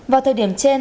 vào thời điểm trên